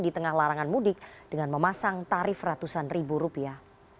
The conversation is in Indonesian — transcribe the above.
di tengah larangan mudik dengan memasang tarif ratusan ribu rupiah